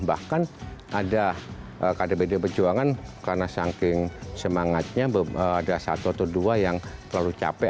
bahkan ada kdpd perjuangan karena saking semangatnya ada satu atau dua yang terlalu capek